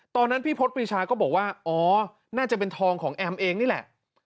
ตอนนั้นพี่พศปรีชาก็บอกว่าอ๋อน่าจะเป็นทองของแอมเองนี่แหละ